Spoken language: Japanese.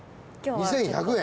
２，１００円。